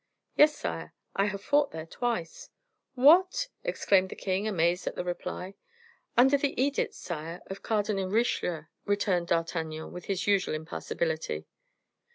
"Yes, sire. I have fought there twice." "What!" exclaimed the king, amazed at the reply. "Under the edicts, sire, of Cardinal Richelieu," returned D'Artagnan, with his usual impassability.